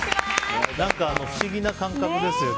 不思議な感覚です。